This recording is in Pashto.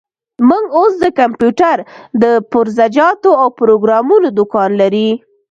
موږ اوس د کمپيوټر د پرزه جاتو او پروګرامونو دوکان لري.